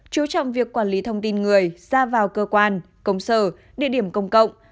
chú trọng việc quản lý thông tin người ra vào cơ quan công sở địa điểm công cộng